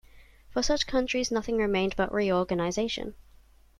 For such countries nothing remained but reorganization.